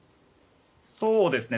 そうですね。